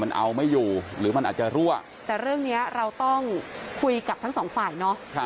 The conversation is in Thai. มันเอาไม่อยู่หรือมันอาจจะรั่วแต่เรื่องนี้เราต้องคุยกับทั้งสองฝ่ายเนอะ